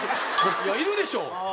いやいるでしょ！